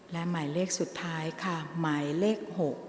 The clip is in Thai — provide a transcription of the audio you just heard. และหมายเลขสุดท้ายค่ะหมายเลข๖